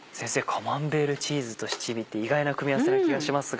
カマンベールチーズと七味って意外な組み合わせな気がしますが。